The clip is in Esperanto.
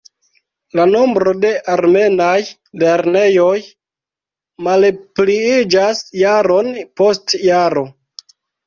La nombro de armenaj lernejoj malpliiĝas jaron post jaro.